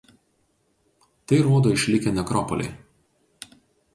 Tai rodo išlikę nekropoliai.